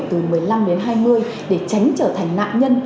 từ một mươi năm đến hai mươi để tránh trở thành nạn nhân